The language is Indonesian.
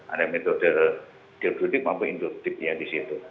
ada metode deduktif maupun induktifnya di situ